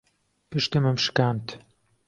پشتمم شکاند.